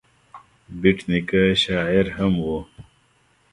بېټ نیکه شاعر هم و.